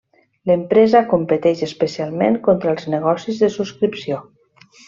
L'empresa competeix especialment contra els negocis de subscripció.